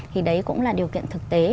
thì đấy cũng là điều kiện thực tế